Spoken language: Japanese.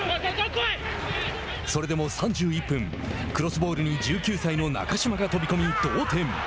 それでも３１分クロスボールに１９歳の中島が飛び込み同点。